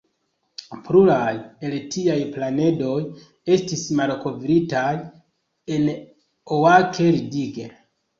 Pluraj el tiaj planedoj estis malkovritaj en Oak Ridge.